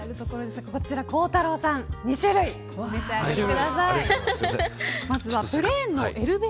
孝太郎さん、２種類お召し上がりください。